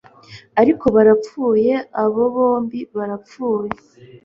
Ariko barapfuye abo bombi barapfuye